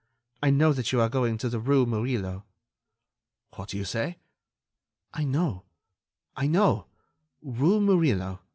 I know that you are going to the rue Murillo." "What do you say?" "I know ... I know ... rue Murillo ...